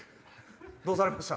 どうされました？